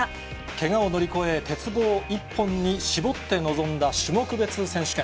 けがを乗り越え、鉄棒一本に絞って臨んだ種目別選手権。